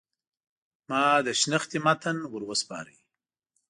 ما د شنختې متن ور وسپاره.